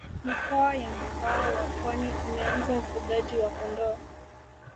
mikoa ya mwambao wa pwani imeanza ufugaji wa kondoo